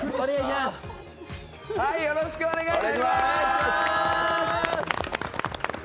よろしくお願いします！